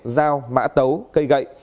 dao mã tấu cây gậy